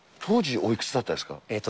当時おいくつだったですか？